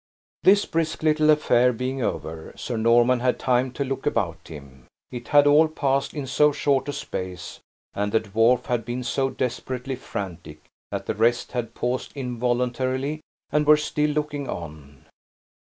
This brisk little affair being over, Sir Norman had time to look about him. It had all passed in so short a space, and the dwarf had been so desperately frantic, that the rest had paused involuntarily, and were still looking on.